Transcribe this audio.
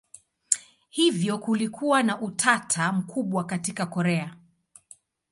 Hivyo kulikuwa na utata mkubwa katika Korea.